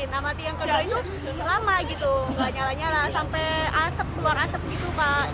nah mati yang kedua itu lama gitu gak nyala nyala sampai asap keluar asap gitu pak